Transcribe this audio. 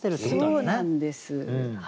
そうなんです。